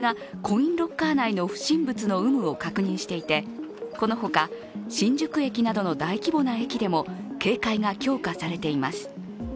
東京駅では警察官が改札前に立ち警備犬がコインロッカー内の不審物の有無を確認していて、このほか、新宿駅などの大規模な駅でも警戒が強化されています。